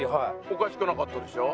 おかしくなかったでしょ？